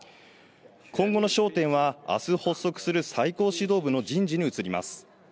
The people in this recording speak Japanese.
今後の焦点は、あす発足する最高指導部の人事に移ります。